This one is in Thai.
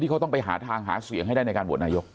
เขาต้องไปหาทางหาเสียงให้ได้ในการโหวตนายก